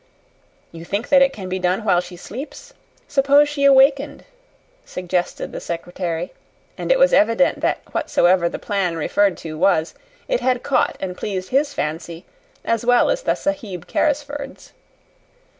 "You think that it can be done while she sleeps? Suppose she awakened," suggested the secretary; and it was evident that whatsoever the plan referred to was, it had caught and pleased his fancy as well as the Sahib Carrisford's.